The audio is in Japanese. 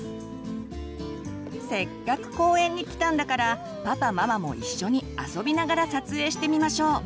せっかく公園に来たんだからパパママも一緒に遊びながら撮影してみましょう。